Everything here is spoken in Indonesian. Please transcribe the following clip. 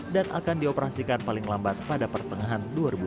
dan akan dioperasikan paling lambat pada pertengahan dua ribu dua puluh tiga